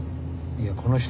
いやこの人。